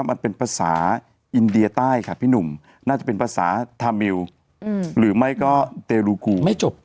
โบราษฎีพัฟศาสตร์มิวหรือไม่ก็เตรุกู